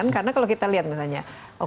karena kalau kita lihat misalnya